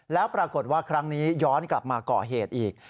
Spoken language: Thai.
แล้วปรากฏว่าครั้งนี้ย้อนกลับมาก่อเหตุอีก